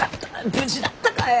無事だったかえ！